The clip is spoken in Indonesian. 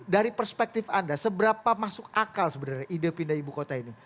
dari perspektif anda seberapa masuk akal sebenarnya ide pindah ibu kota ini